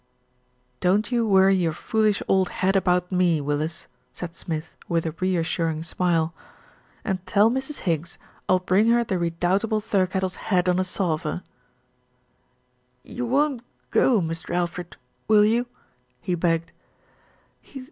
"Don't you worry your foolish old head about me, Willis," said Smith, with a reassuring smile, "and tell Mrs. Higgs I'll bring her the redoubtable Thirkettle's head on a salver." "You won't go, Mr. Alfred, will you?" he begged.